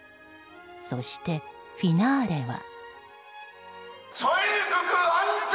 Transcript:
そして、フィナーレは。